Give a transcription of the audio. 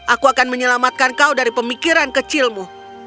aku akan menyelamatkan kau dari pemikiran kecilmu